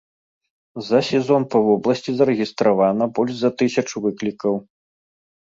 За сезон па вобласці зарэгістравана больш за тысячу выклікаў.